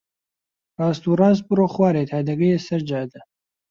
ڕاست و ڕاست بڕۆ خوارێ تا دەگەیە سەر جادە.